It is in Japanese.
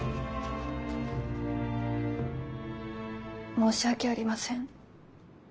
申し訳ありません。